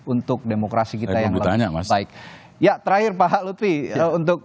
untuk demokrasi kita yang lebih baik